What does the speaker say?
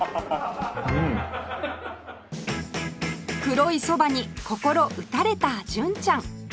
黒いそばに心打たれた純ちゃん